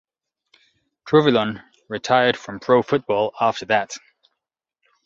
Truvillion retired from pro football after that.